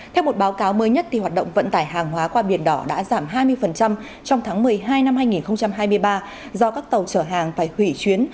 theo một báo cáo mới nhất hoạt động vận tải hàng hóa qua biển đỏ đã giảm hai mươi trong tháng một mươi hai năm hai nghìn hai mươi ba do các tàu chở hàng phải hủy chuyến